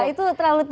itu terlalu tinggi